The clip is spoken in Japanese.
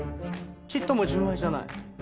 ちっとも純愛じゃない？